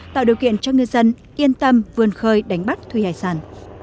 tạo điều kiện cho ngư dân yên tâm vươn khơi đánh bắt thủy hải sản